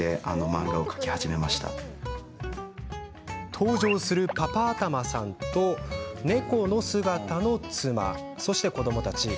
登場するパパ頭さんと、猫の姿の妻そして子どもたち。